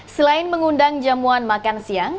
selain mengundang jamuan makan siang